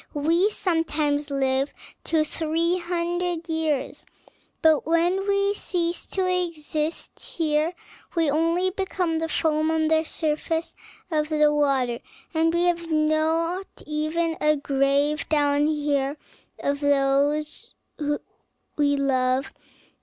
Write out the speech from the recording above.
We sometimes live to three hundred years, but when we cease to exist here we only become the foam on the surface of the water, and we have not even a grave down here of those we love.